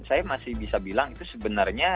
saya masih bisa bilang itu sebenarnya